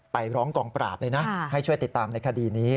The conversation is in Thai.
ไปร้องกองปราบเลยนะให้ช่วยติดตามในคดีนี้